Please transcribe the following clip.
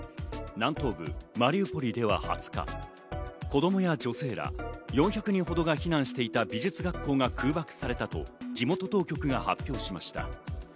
南東部・マリウポリでは２０日、子供や女性ら４００人ほどが避難していた美術学校が空爆されたと地元当局が発表しました。